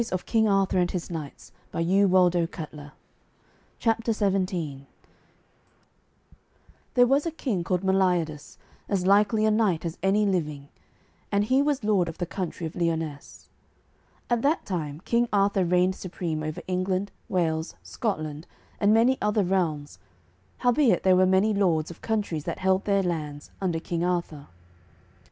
CHAPTER XVII HOW YOUNG TRISTRAM SAVED THE LIFE OF THE QUEEN OF LYONESSE There was a king called Meliodas, as likely a knight as any living, and he was lord of the country of Lyonesse. At that time King Arthur reigned supreme over England, Wales, Scotland, and many other realms, howbeit there were many lords of countries that held their lands under King Arthur.